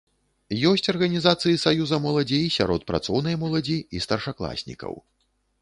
Ёсць арганізацыі саюза моладзі і сярод працоўнай моладзі і старшакласнікаў.